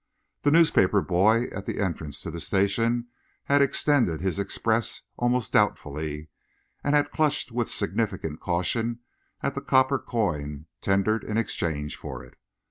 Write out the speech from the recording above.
The newspaper boy at the entrance to the station had extended his Express almost doubtfully and had clutched with significant caution at the copper coin tendered in exchange for it.